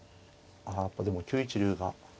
あやっぱでも９一竜が。